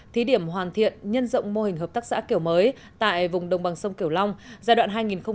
thí điểm hoàn thiện nhân rộng mô hình hợp tác xã kiểu mới tại vùng đồng bằng sông kiểu long giai đoạn hai nghìn một mươi sáu hai nghìn hai mươi